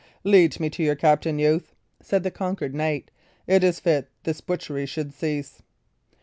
"Lead me to your captain, youth," said the conquered knight. "It is fit this butchery should cease."